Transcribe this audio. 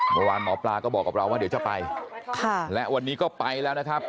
หมอปลาก็บอกกับเราว่าเดี๋ยวจะไปค่ะและวันนี้ก็ไปแล้วนะครับ